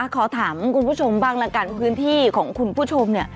ขอถามคุณผู้ชมบ้างละกันพื้นที่ของคุณผู้ชม